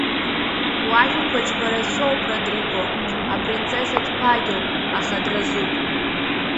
Уажәақәа џьбарацәоуп, Родриго, апринцесса дԥагьоуп, аха дразуп.